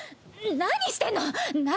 何してんの⁉殴。